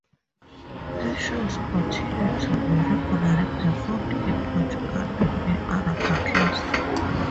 Her shows continue to be regularly performed in Portugal and in other countries.